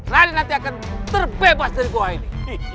lari nanti akan terbebas dari gua ini